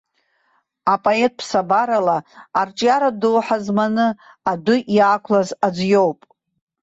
Апоет ԥсабарала арҿиаратә доуҳа зманы адәы иаақәлаз аӡә иоуп.